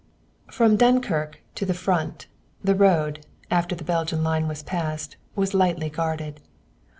X From Dunkirk to the Front, the road, after the Belgian line was passed, was lightly guarded.